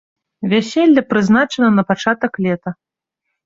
Вяселле прызначана на пачатак лета.